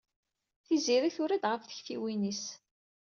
Tiziri tura-d ɣef tektiwin-is.